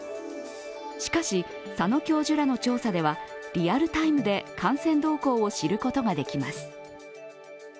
しかし、佐野教授らの調査ではリアルタイムで感染動向を知ることができます。